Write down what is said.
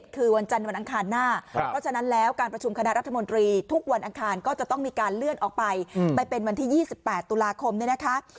คือวันจันทร์วันอังคารหน้าเพราะฉะนั้นแล้วการประชุมคณะรัฐมนตรีทุกวันอังคารก็จะต้องมีการเลื่อนออกไปไปเป็นวันที่๒๘ตุลาคมเนี่ยนะคะ